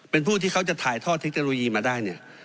เป็นผู้ที่เขาจะถ่ายทอดเทคโนโลยีมาได้เนี่ย